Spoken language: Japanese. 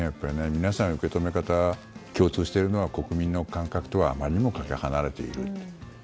皆さん、受け止め方共通しているのは国民の感覚とはあまりにもかけ離れている。